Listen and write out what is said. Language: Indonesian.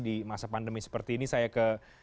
di masa pandemi seperti ini saya ke